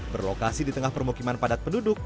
berlokasi di tengah permukiman padat penduduk